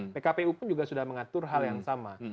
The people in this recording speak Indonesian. pkpu pun juga sudah mengatur hal yang sama